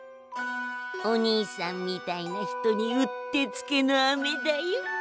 おにいさんみたいな人にうってつけのあめだよ。